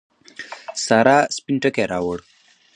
سارا سپين ټکی راووړ.